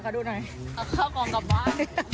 เอาข้ากล่องกลับบ้าน